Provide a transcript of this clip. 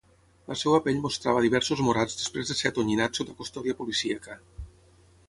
La seva pell mostrava diversos morats després de ser atonyinat sota custòdia policíaca.